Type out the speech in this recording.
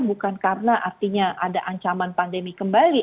bukan karena artinya ada ancaman pandemi kembali